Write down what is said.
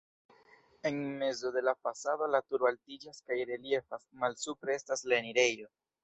En mezo de la fasado la turo altiĝas kaj reliefas, malsupre estas la enirejo.